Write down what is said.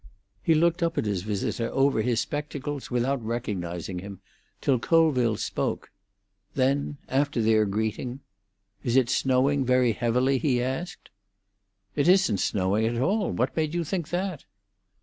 He looked up at his visitor over his spectacles, without recognising him, till Colville spoke. Then, after their greeting, "Is it snowing heavily?" he asked. "It isn't snowing at all. What made you think that?"